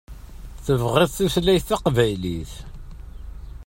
Tebɣiḍ tutlayt taqbaylit.